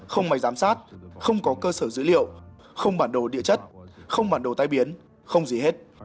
không máy giám sát không có cơ sở dữ liệu không bản đồ địa chất không bản đồ tai biến không gì hết